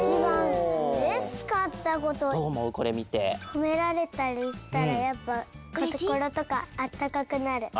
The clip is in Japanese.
ほめられたりしたらやっぱこころとかあったかくなる。